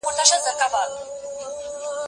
زه د کتابتون کتابونه لوستي دي،